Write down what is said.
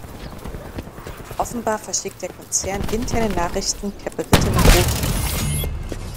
Offenbar verschickt der Konzern interne Nachrichten per berittenem Boten.